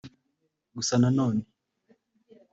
Gusa na none